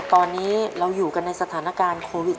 ตอนนี้เราอยู่กันในสถานการณ์โควิด